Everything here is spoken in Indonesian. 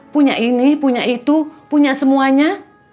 punya ini punya itu punya semuanya